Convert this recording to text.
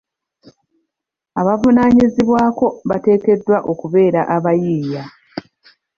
Abavunaanyizibwako bateekeddwa okubeera abayiiya.